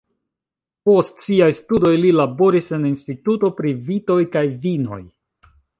Post siaj studoj li laboris en instituto pri vitoj kaj vinoj.